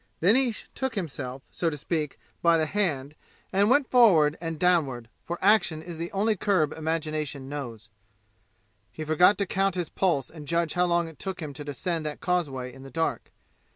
Then he took himself, so to speak, by the hand and went forward and downward, for action is the only curb imagination knows. He forgot to count his pulse and judge how long it took him to descend that causeway in the dark.